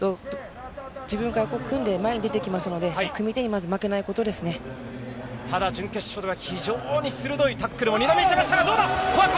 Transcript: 自分から組んで前に出てきますので、組手にまず負けないことただ準決勝では非常に鋭いタックルを２度見せましたが、どうだ。